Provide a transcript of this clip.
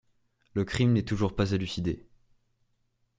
Le crime n'est toujours pas élucidé.